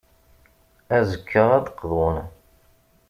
Azekka, ad d-qḍun.